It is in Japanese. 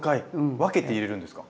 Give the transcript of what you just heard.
分けて入れるんですか？